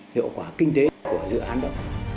hiệu quả kinh tế của dự án đó